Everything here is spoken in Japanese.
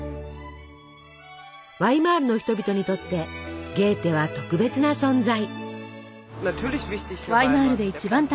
ワイマールの人々にとってゲーテは特別な存在。